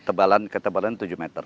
iya ketebalan tujuh meter